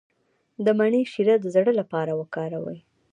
د مڼې شیره د زړه لپاره وکاروئ